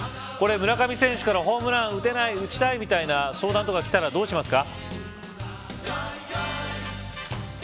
村上選手からホームラン出ない打ちたいみたいな相談とかきたら、どうしますか。